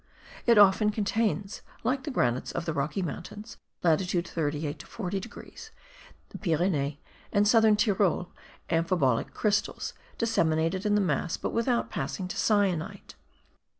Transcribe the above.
It often contains, like the granites of the Rocky Mountains (latitude 38 to 40 degrees), the Pyrenees and Southern Tyrol, amphibolic crystals,* disseminated in the mass, but without passing to syenite.